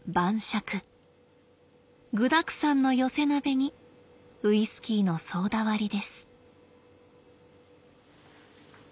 具だくさんの寄せ鍋にウイスキーのソーダ割りです。